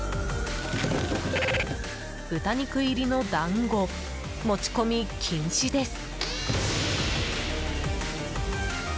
豚肉入りの団子持ち込み禁止です。